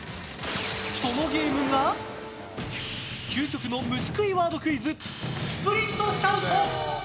そのゲームが究極の虫食いワードクイズスプリントシャウト！